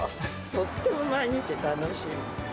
とっても毎日楽しみ。